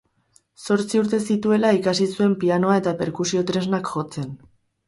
Zortzi urte zituela ikasi zuen pianoa eta perkusio-tresnak jotzen.